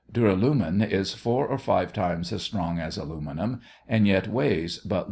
Duralumin is four or five times as strong as aluminum and yet weighs but little more.